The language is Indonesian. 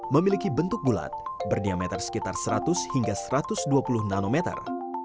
memiliki bentuk bulat berdiameter sekitar seratus hingga satu ratus dua puluh nanometer